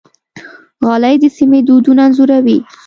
غالۍ د سیمې دودونه انځوروي.